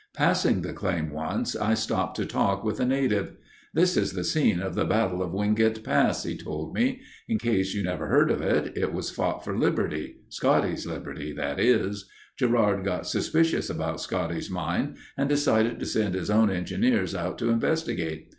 Passing the claim once, I stopped to talk with a native: "This is the scene of the Battle of Wingate Pass," he told me. "In case you never heard of it, it was fought for liberty, Scotty's liberty—that is. Gerard got suspicious about Scotty's mine and decided to send his own engineers out to investigate.